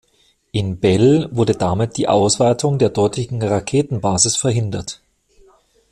In Bell wurde damit die Ausweitung der dortigen Raketenbasis verhindert.